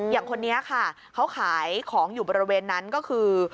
อย่างคนนี้ค่ะเขาขายของอยู่บริเวณนั้นก็คือ